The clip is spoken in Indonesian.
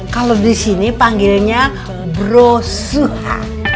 kalau di sini panggilnya bro suha